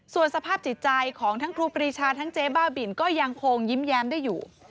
ส่วนสภาพจิตใจของทั้งครูปรีชาทั้งเจ๊บ้าบินก็ยังคงยิ้มแย้มได้อยู่